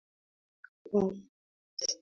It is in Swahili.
kwa mcheza kriketi ambapo hiyo jana